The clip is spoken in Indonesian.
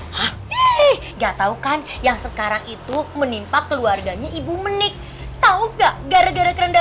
hah ih gak tahu kan yang sekarang itu menimpa keluarganya ibu menik tahu gak gara gara keranda